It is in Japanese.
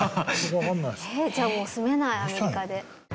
じゃあもう住めないアメリカで。